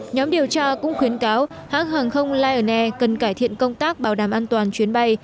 nhóm điều tra cũng khuyến cáo hãng hàng không lion air cần cải thiện công tác bảo đảm an toàn chuyến bay